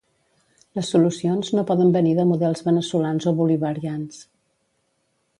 Les solucions no poden venir de models veneçolans o bolivarians.